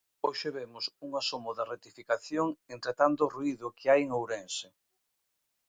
Hoxe vemos un asomo de rectificación entre tanto ruído que hai en Ourense.